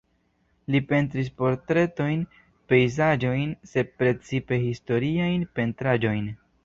Li pentris portretojn, pejzaĝojn, sed precipe historiajn pentraĵojn.